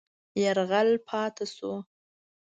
یرغل پاتې شو.